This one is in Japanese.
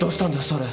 それ。